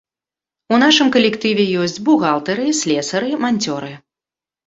У нашым калектыве ёсць бухгалтары, слесары, манцёры.